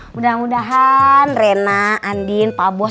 mudah mudahan rena andin pak bos